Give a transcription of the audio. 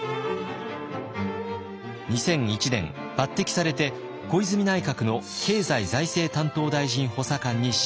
２００１年抜てきされて小泉内閣の経済財政担当大臣補佐官に就任。